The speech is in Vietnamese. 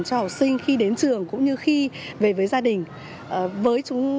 cho học sinh khi đến trường cũng như khi về với gia đình